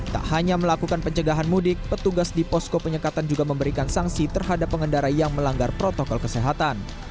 tak hanya melakukan pencegahan mudik petugas di posko penyekatan juga memberikan sanksi terhadap pengendara yang melanggar protokol kesehatan